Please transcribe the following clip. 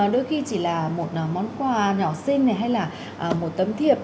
đôi khi chỉ là một món quà nhỏ xinh hay là một tấm thiệp